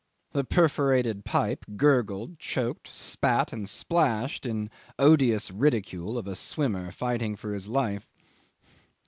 The perforated pipe gurgled, choked, spat, and splashed in odious ridicule of a swimmer fighting for his life.